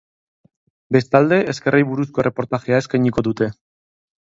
Bestalde, eskerrei buruzko erreportajea eskainiko dute.